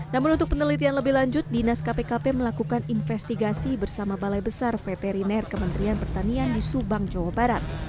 namun untuk penelitian lebih lanjut dinas kpkp melakukan investigasi bersama balai besar veteriner kementerian pertanian di subang jawa barat